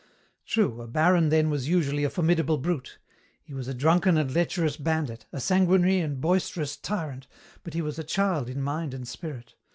"True, a baron then was usually a formidable brute. He was a drunken and lecherous bandit, a sanguinary and boisterous tyrant, but he was a child in mind and spirit.